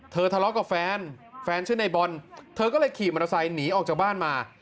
ทะเลาะกับแฟนแฟนชื่อในบอลเธอก็เลยขี่มอเตอร์ไซค์หนีออกจากบ้านมา